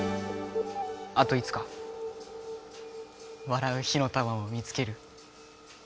あといつか笑う火の玉を見つける。